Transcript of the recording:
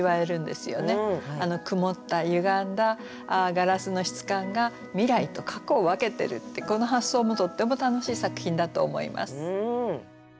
曇ったゆがんだガラスの質感が未来と過去を分けてるってこの発想もとっても楽しい作品だと思います。